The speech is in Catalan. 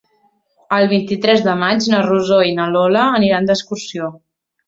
El vint-i-tres de maig na Rosó i na Lola aniran d'excursió.